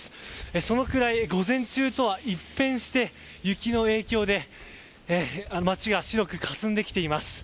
そのくらい午前中とは一変して、雪の影響で町が白くかすんできています。